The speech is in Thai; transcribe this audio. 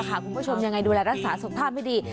คุณผู้ชมยังไงดูแลรักษาสุขภาพให้ดี